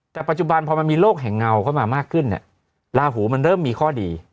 แต่ปัจจุบันพอมันมีโลกแห่งเงาเข้ามามากขึ้นเนี่ยลาหูมันเริ่มมีข้อดี